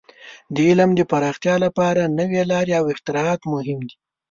د علم د پراختیا لپاره نوې لارې او اختراعات مهم دي.